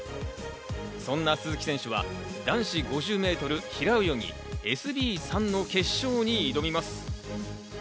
そんな鈴木選手は男子５０ｍ平泳ぎＳＢ３の決勝に挑みます。